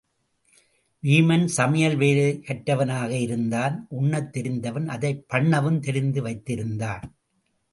வீமன் சமையல் வேலை கற்றவனாக இருந்தான், உண்ணத் தெரிந்தவன் அதைப் பண்ணவும் தெரிந்து வைத்திருந் தான்.